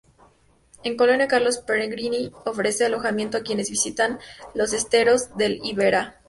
En Colonia Carlos Pellegrini ofrecen alojamiento a quienes visitan los esteros del Iberá.